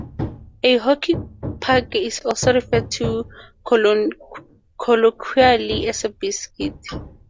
A hockey puck is also referred to colloquially as a biscuit.